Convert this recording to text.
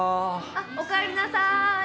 おかえりなさい。